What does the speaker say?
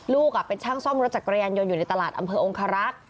ลูกเป็นช่างซ่อมรถจักรยานยนต์อยู่ในตลาดอำเภอองคารักษ์